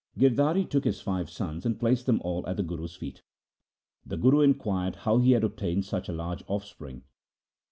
Girdhari took his five sons and placed them all at the Guru's feet. The Guru inquired how he had obtained such a large offspring.